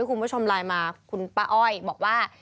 คุณผู้ชมไลน์มาคุณป้าอ้อยบอกว่า